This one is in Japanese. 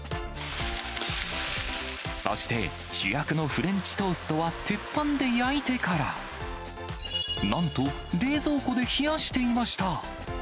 そして、主役のフレンチトーストは鉄板で焼いてから、なんと、冷蔵庫で冷やしていました。